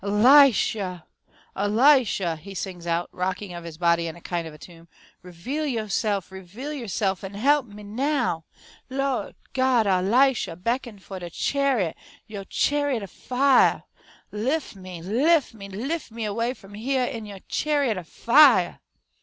"ELISHyah! ELISHyah!" he sings out, rocking of his body in a kind of tune, "reveal yo'se'f, reveal yo'se'f an' he'p me NOW! Lawd Gawd ELISHyah, beckon fo' a CHA'iot, yo' cha'iot of FIAH! Lif' me, lif' me lif' me away f'um hyah in er cha'iot o' FIAH!"